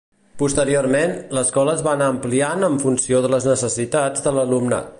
Posteriorment, l'escola es va anar ampliant en funció de les necessitats de l'alumnat.